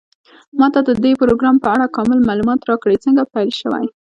ما ته د دې پروګرام په اړه کامل معلومات راکړئ څنګه پیل شوی